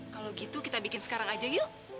kalau gitu kita bikin sekarang aja yuk